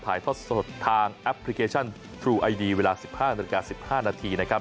ทอดสดทางแอปพลิเคชันทรูไอดีเวลา๑๕นาฬิกา๑๕นาทีนะครับ